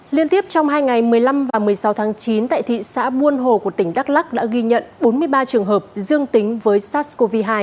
liên tiếp trong hai ngày một mươi năm và một mươi sáu tháng chín tại thị xã buôn hồ của tỉnh đắk lắc đã ghi nhận bốn mươi ba trường hợp dương tính với sars cov hai